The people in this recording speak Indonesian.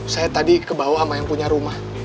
saya tadi kebawa sama yang punya rumah